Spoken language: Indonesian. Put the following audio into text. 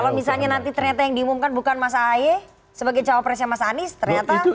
kalau misalnya nanti ternyata yang diumumkan bukan mas ahaye sebagai cawapresnya mas anies ternyata